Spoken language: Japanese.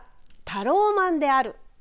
タローマンである。